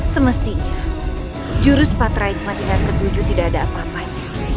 semestinya jurus patrihikmat tingkat ke tujuh tidak ada apa apanya